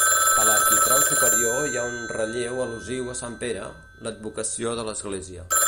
A l'arquitrau superior hi ha un relleu al·lusiu a Sant Pere, l'advocació de l'església.